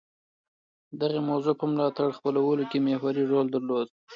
دغې موضوع په ملاتړ خپلولو کې محوري رول درلود